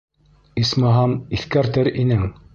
Исмаһам, иҫкәртер инең.